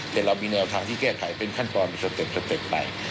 แต่เรามีแนวทางที่แก้ไขเป็นขั้นตอนมีสเต็ปสเต็ปไป